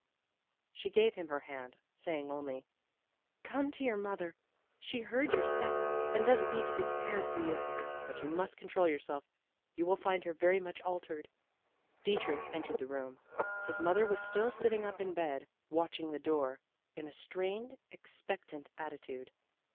She gave him her hand, saying only, "Come to your mother; she heard your step, and doesn't need to be prepared for you. But you must control yourself; you will find her very much altered." Dietrich entered the room. His mother was still sitting up in bed, watching the door, in a strained, expectant attitude.